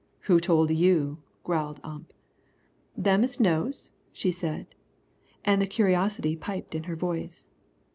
"Who told you?" growled Ump. "Them as knows," she said. And the curiosity piped in her voice.